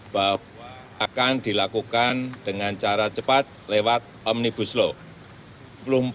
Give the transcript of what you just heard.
bahwa akan dilakukan dengan cara cepat lewat omnibus law